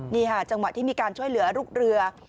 นี่ค่ะจังหวะที่มีการช่วยเหลือลูกเรือ